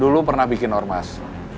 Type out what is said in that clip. dulu pernah bikin ormas